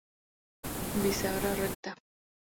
Bisagra recta.